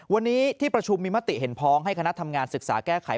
วันนี้ที่ประชุมมีมติเห็นพ้องให้คณะทำงานศึกษาแก้ไข